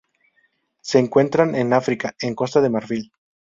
Se encuentran en África: en Costa de Marfil.